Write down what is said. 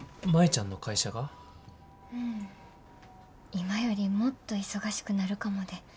今よりもっと忙しくなるかもで。